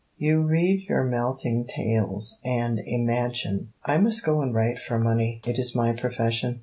You read your melting tales, and imagine. I must go and write for money: it is my profession.